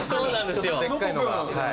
でっかいのがはい。